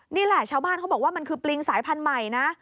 นี่แหละชาวบ้านเขาบอกว่ามันคือปริงสายพันธุ์ใหม่นะ